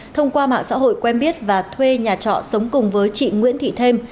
thông qua mạng xã hội quen biết và thuê nhà trọ sống cùng với chị nguyễn thị thêm